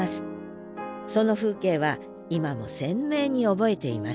その風景は今も鮮明に覚えています。